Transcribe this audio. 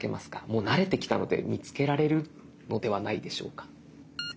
もう慣れてきたので見つけられるのではないでしょうか。